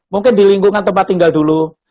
mungkin di lingkungan tempat tinggal dulu